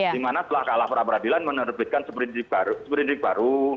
dimana setelah kalah perapradilan menerbitkan seberindik baru